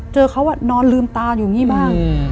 เจอเขานอนลืมตาอยู่อย่างนี้บ้าง